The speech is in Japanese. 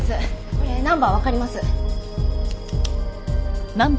これナンバーわかります。